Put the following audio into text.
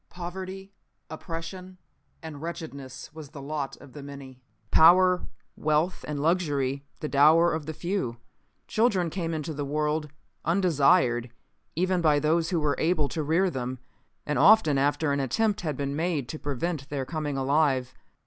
Poverty, oppression and wretchedness was the lot of the many. Power, wealth and luxury the dower of the few. "Children came into the world undesired even by those who were able to rear them, and often after an attempt had been made to prevent their coming alive.